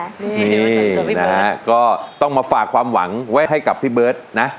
นี่นะฮะก็ต้องมาฝากความหวังไว้ให้กับพี่เบิร์ตนะ